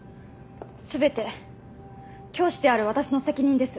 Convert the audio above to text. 全て教師である私の責任です。